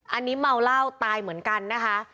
อันนี้เมาเหล้าตายเหมือนกันนะคะ